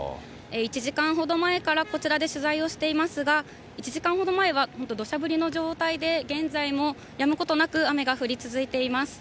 １時間ほど前からこちらで取材をしていますが、１時間ほど前は、本当、土砂降りの状態で、現在もやむことなく雨が降り続いています。